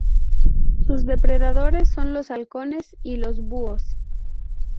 Sus depredadores son los halcones y los búhos.